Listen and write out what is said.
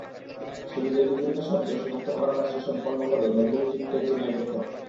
শরীরের বিভিন্ন শব্দ শনাক্ত করার কাজটি সম্পন্ন করবে ব্যান্ডেজে যুক্ত একটি মাইক্রোফোন।